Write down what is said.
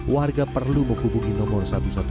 warga perlu menghubungi nomor satu ratus dua belas